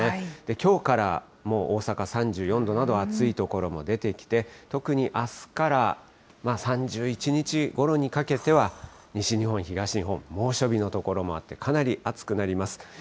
きょうからもう大阪３４度など、暑い所も出てきて、特にあすから３１日ごろにかけては、西日本、東日本、猛暑日の所もあって、かなり暑くなります。